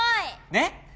ねっ！